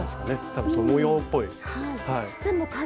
多分その模様っぽい。